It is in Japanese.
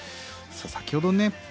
先ほどね